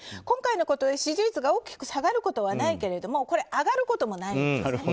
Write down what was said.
今回のことで支持率が大きく下がることはないけど上がることもないんです。